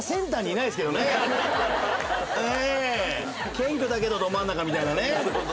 謙虚だけどど真ん中みたいなね。